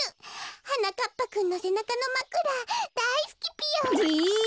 はなかっぱくんのせなかのまくらだいすきぴよ。え！